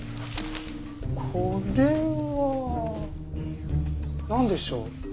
これはなんでしょう？